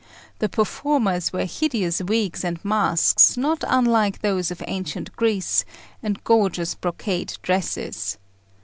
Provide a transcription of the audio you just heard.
The performers wear hideous wigs and masks, not unlike those of ancient Greece, and gorgeous brocade dresses.